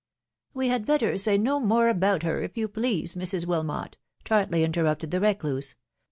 .•."" We had better say no more about her, if you please, Mrs. Wilmot," tartly interrupted the recluse.